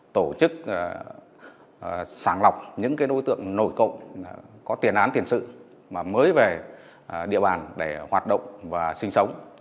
tổ chức sàng lọc những đối tượng nổi cộng có tiền án tiền sự mà mới về địa bàn để hoạt động và sinh sống